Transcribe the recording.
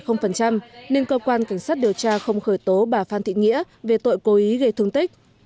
nên cơ quan cảnh sát điều tra không khởi tố bà phan thị nghĩa về tội cố ý gây thương tích